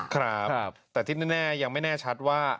ครับแต่ที่แน่ยังไม่แน่ชัดว่า